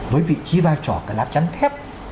với vị trí vai trò là lá trắng thép